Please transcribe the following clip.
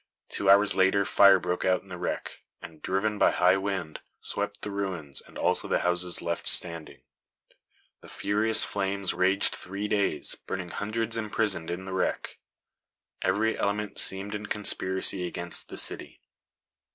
Two hours later fire broke out in the wreck, and driven by a high wind, swept the ruins, and also the houses left standing. The furious flames raged three days, burning hundreds imprisoned in the wreck. Every element seemed in conspiracy against the city.